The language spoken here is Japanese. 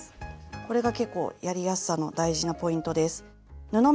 これが結構やりやすさの大事なポイントです。